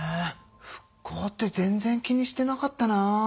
復興って全然気にしてなかったな。